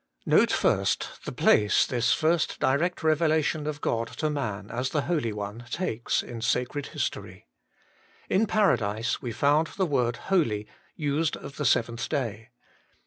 1. Note the place this first direct revelation of God to man as the Holy One takes in sacred history. In Paradise we found the word Holy used of the seventh day.